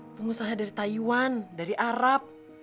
pengusaha dari taiwan dari arab